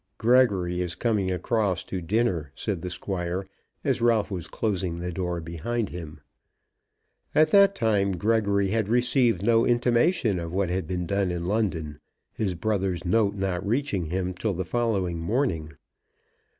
"Gregory is coming across to dinner," said the Squire as Ralph was closing the door behind him. At that time Gregory had received no intimation of what had been done in London, his brother's note not reaching him till the following morning.